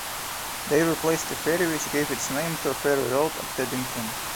They replaced a ferry which gave its name to Ferry Road at Teddington.